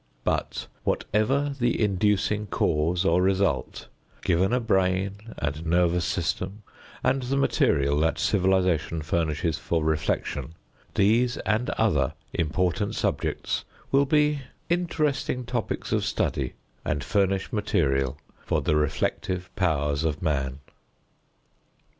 But, whatever the inducing cause or result, given a brain and nervous system and the material that civilization furnishes for reflection, these and other important subjects will be interesting topics of study and furnish material for the reflective powers of man.